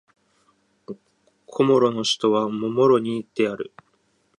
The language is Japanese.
コモロの首都はモロニである